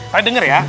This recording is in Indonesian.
kalian denger ya